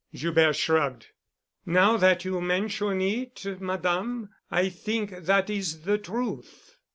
Joubert shrugged. "Now that you mention it, Madame, I think that is the truth."